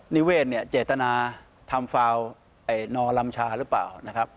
นิเวศเจตนาทำฟาวน์นลำชาหรือเปล่า